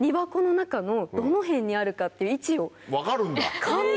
分かるんだ！